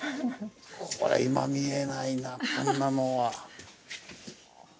これ今見れないなこんなのは。